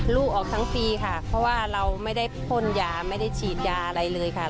ลูกออกทั้งปีค่ะเพราะว่าเราไม่ได้พ่นยาไม่ได้ฉีดยาอะไรเลยค่ะ